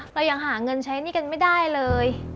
เรายังหาเงินใช้หนี้กันไม่ได้เลย